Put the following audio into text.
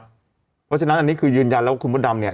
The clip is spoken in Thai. เพราะฉะนั้นอันนี้คือยืนยันแล้วว่าคุณมดดำเนี่ย